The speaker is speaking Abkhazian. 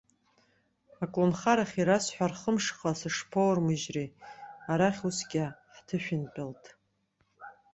Аколнхарахь ирасҳәар, хымшҟа сышԥоурмыжьри, арахь усгьы ҳҭышәынтәалт.